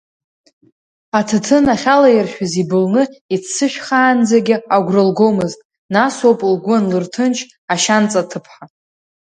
Аҭаҭын ахьалаиршәыз ибылны иццышәхаанӡагьы агәра лгомызт, насоуп лгәы анлырҭынч ашьанҵа-ҭыԥҳа.